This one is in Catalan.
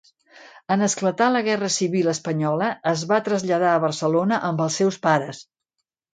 En esclatar la guerra civil espanyola es va traslladar a Barcelona amb els seus pares.